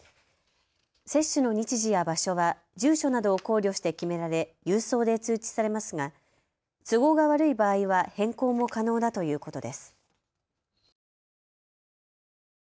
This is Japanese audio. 接種の日時や場所は住所などを考慮して決められ郵送で通知されますが都合が悪い場合は変更も可能だということです。